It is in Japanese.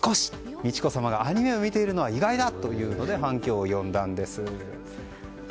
美智子さまがアニメを見ているのは意外だというので反響を呼んだんです。